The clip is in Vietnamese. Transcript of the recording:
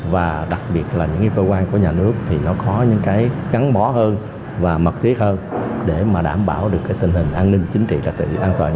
và đặc biệt là những cơ quan của nhà nước thì nó có những cái gắn bỏ hơn và mật thiết hơn